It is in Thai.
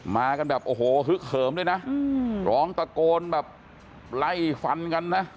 มากันแบบโอ้โหฮึกเหิมด้วยนะร้องตะโกนแบบไล่ฟันกันนะ